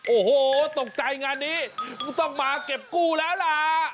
โอ้โหตกใจงานนี้กูต้องมาเก็บกู้แล้วล่ะ